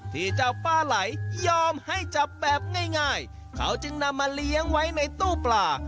ที่เจ้าป้าไหลยอมให้จับแบบง่ายเขาจึงนำมาเลี้ยงไว้ในตู้ปลา